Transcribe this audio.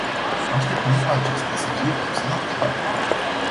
Așteptăm ca acestea să fie puse în aplicare.